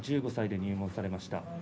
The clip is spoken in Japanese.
１５歳で入門されました。